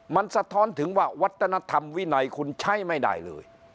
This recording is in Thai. มันสะท้อนถึงว่าวัฒนธรรมวินัยคุณใช้ไม่ได้เลย